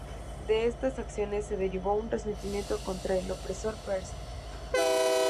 De estas acciones se derivó un resentimiento contra el opresor persa.